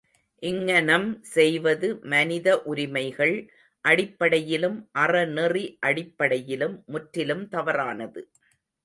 இங்ஙனம் செய்வது மனித உரிமைகள் அடிப்படையிலும், அறநெறி அடிப்படையிலும் முற்றிலும் தவறானது.